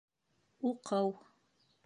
Уҡыу